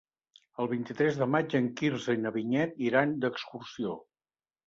El vint-i-tres de maig en Quirze i na Vinyet iran d'excursió.